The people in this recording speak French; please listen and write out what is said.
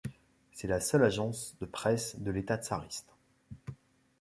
C'est la seule agence de presse de l'État tsariste.